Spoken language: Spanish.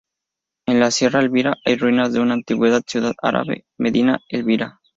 En Sierra Elvira hay ruinas de una antigua ciudad árabe, Medina Elvira.